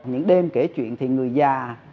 những đêm kể chuyện thì người già